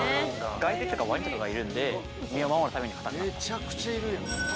外敵とかワニとかがいるんで身を守るために硬くなった。